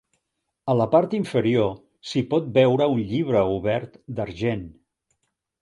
A la part inferior s'hi pot veure un llibre obert d'argent.